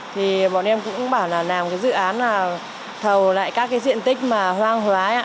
thì bọn em cũng bảo là làm cái dự án là thầu lại các cái diện tích mà hoang hoái